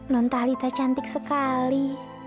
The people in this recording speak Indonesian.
nontalita cantik sekali